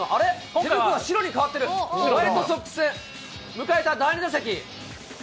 手袋が白に変わってる、ホワイトソックス戦、迎えた第２打席。